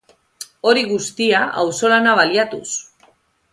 Hori guztia, auzolana baliatuz.